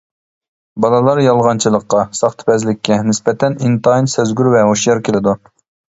بالىلار يالغانچىلىققا، ساختىپەزلىككە نىسبەتەن ئىنتايىن سەزگۈر ۋە ھوشيار كېلىدۇ.